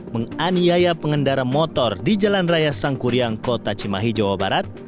menganiaya pengendara motor di jalan raya sangkuriang kota cimahi jawa barat